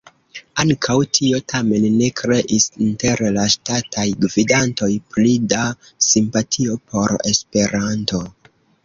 Ankaŭ tio tamen ne kreis inter la ŝtataj gvidantoj pli da simpatio por Esperanto.